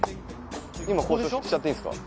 今交渉しちゃっていいんですか？